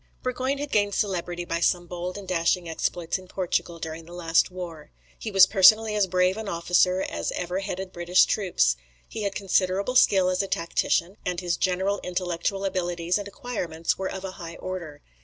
"] Burgoyne had gained celebrity by some bold and dashing exploits in Portugal during the last war; he was personally as brave an officer as ever headed British troops; he had considerable skill as a tactician; and his general intellectual abilities and acquirements were of a high order.